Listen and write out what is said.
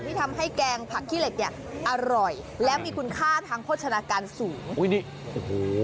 ที่ทำให้แกงผักขี้เหล็กอร่อยและมีคุณค่าทางโภชนาการสูง